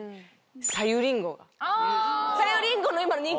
さゆりんごの。